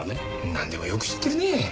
なんでもよく知ってるね。